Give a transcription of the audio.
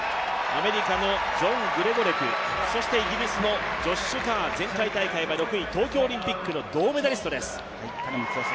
アメリカのジョン・グレゴレク、そしてイギリスのジョッシュ・カー前回大会は６位東京オリンピックの銅メダリストです。